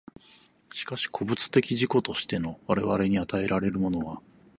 しかし個物的自己としての我々に与えられるものは、